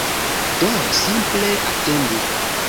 Do, simple atendu